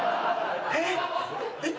えっ！？